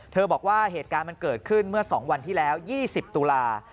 บอกว่าเหตุการณ์มันเกิดขึ้นเมื่อ๒วันที่แล้ว๒๐ตุลา